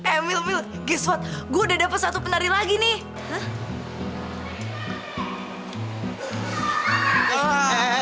emil emil guess what gue udah dapet satu penari lagi nih